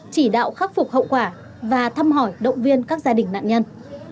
chỉ đạo khắc phục hậu quả và thăm hỏi động viên các gia đình nạn nhân